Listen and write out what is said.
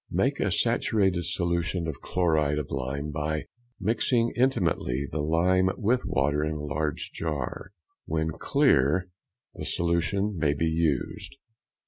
_—Make a saturated solution of chloride of lime by mixing intimately the lime with water in a large jar. When clear the solution may be used.